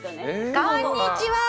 こんにちは！